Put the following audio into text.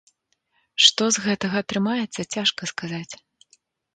Што з гэтага атрымаецца, цяжка сказаць.